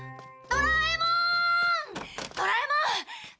ドラえもーん！